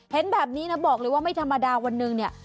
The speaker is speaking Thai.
เห็นแบบนี้นะบอกเลยว่าไม่ธรรมดาวันหนึ่งเนี่ย